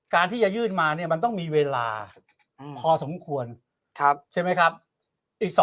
การที่จะยื่นมาเนี่ยมันต้องมีเวลาพอสมควรใช่ไหมครับ